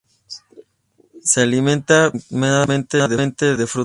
Se alimenta predominantemente de frutas.